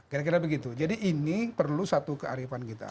kira kira begitu jadi ini perlu satu kearifan kita